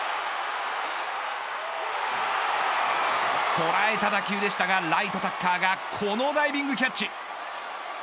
捉えた打球でしたがライト、タッカーがこのダイビングキャッチ。